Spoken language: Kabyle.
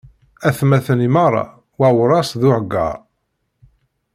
Atmaten imeṛṛa, wawras d uheggaṛ.